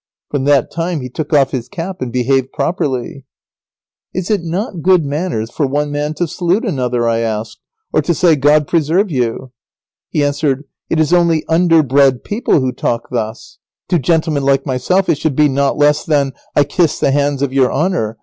From that time he took off his cap, and behaved properly." [Sidenote: The esquire continues to discourse on the same subject.] "Is it not good manners for one man to salute another," I asked, "or to say 'God preserve you'?" He answered, "It is only underbred people who talk thus. To gentlemen like myself, it should be not less than 'I kiss the hands of your honour!